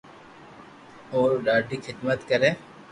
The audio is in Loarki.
اورو ڌاڌي خدمت ڪري